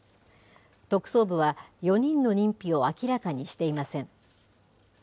特捜部は、４人の認否を明らかにしていません。